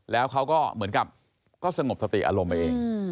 แล้วเขาก็เหมือนกับก็สงบสติอารมณ์ไปเอง